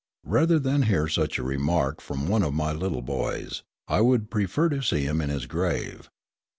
Rather than hear such a remark from one of my little boys, I would prefer to see him in his grave.